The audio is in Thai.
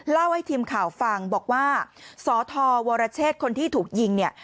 เล่าให้ทีมข่าวฟังบอกว่าสธวรเชษคนที่ถูกยิงเนี่ย